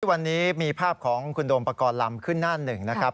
วันนี้มีภาพของคุณโดมปกรณ์ลำขึ้นหน้าหนึ่งนะครับ